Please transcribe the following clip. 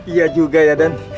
iya juga ya den